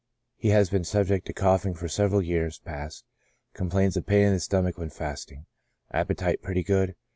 He has been subject to coughing for several years past, complains of pain in the stomach when fasting ; appe tite pretty good.